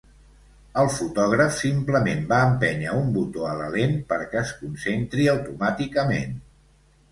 El fotògraf simplement va empènyer un botó a la lent perquè es concentri automàticament.